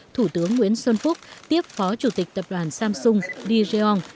thủ tướng nguyễn xuân phúc tiếp phó chủ tịch tập đoàn samsung đi réon